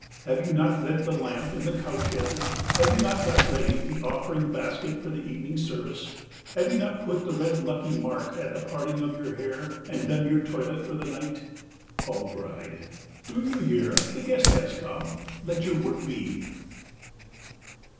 Have you not lit the lamp in the cowshed? Have you not got ready the offering basket for the evening service? Have you not put the red lucky mark at the parting of your hair, and done your toilet for the night? O bride, do you hear, the guest has come? Let your work be!